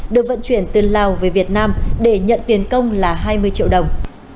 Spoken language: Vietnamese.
được vận chuyển từ lào về việt nam để nhận tiền công là hai mươi triệu đồng